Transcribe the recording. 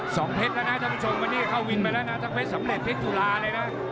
เพชรแล้วนะท่านผู้ชมวันนี้เข้าวินไปแล้วนะทั้งเพชรสำเร็จเพชรจุฬาเลยนะ